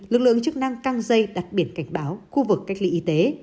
lực lượng chức năng căng dây đặt biển cảnh báo khu vực cách ly y tế